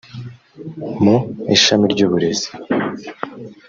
mu ishami ry’uburezi